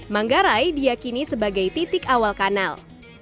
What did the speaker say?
manggarai diakini sebagai titik awal kanal